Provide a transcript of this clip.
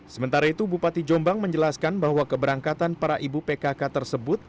sementara itu bupati jombang menjelaskan bahwa keberangkatan para ibu pkk tersebut